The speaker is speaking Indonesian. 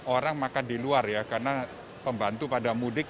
orang makan di luar ya karena pembantu pada mudik